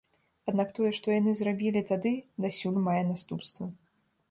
Аднак тое, што яны зрабілі тады, дасюль мае наступствы.